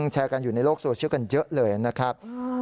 แชร์กันอยู่ในโลกโซเชียลกันเยอะเลยนะครับ